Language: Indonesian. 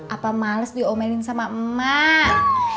apa males diomelin sama emak